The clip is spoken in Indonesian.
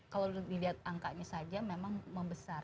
kalau dilihat angkanya saja memang membesar